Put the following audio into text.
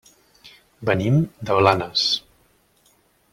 Venim de Blanes.